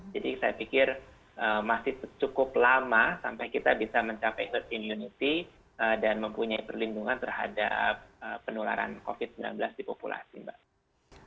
jadi saya pikir masih cukup lama sampai kita bisa mencapai herd immunity dan mempunyai perlindungan terhadap penularan covid sembilan belas di populasi mbak